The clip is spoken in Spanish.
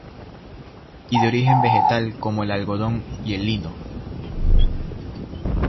Y de origen vegetal como el algodón y el lino.